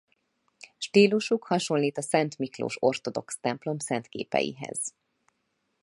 Stílusuk hasonlít a Szent Miklós ortodox templom szentképeihez.